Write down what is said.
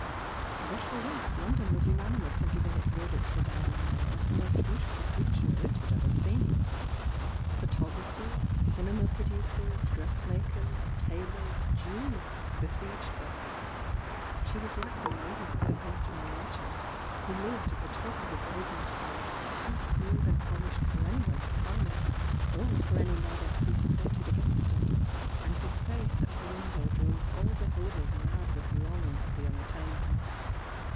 But for once London was unanimous in giving its verdict for Di ana May as the most beautiful creature it had ever seen. Photographers, cinema producers, dressmak ers, tailors, jewellers besieged her; she was like the lady of the Breton legend, who lived at the top of a brazen tower, too smooth and polished for anyone to climb it, or for any ladder to be supported against it, and whose face at the window drove all beholders mad with longing for the unattainable.